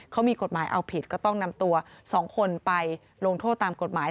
เขามีกฎหมายเอาผิดก็ต้องนำตัว๒คนไปลงโทษตามกฎหมาย